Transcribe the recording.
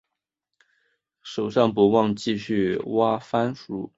手上不忘继续挖番薯